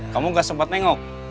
kamu nggak sempat nengok